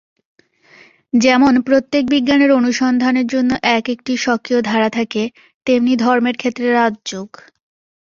যেমন প্রত্যেক বিজ্ঞানের অনুসন্ধানের জন্য এক-একটি স্বকীয় ধারা থাকে, তেমনি ধর্মের ক্ষেত্রে রাজযোগ।